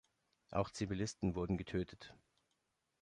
Auch Zivilisten wurden getötet.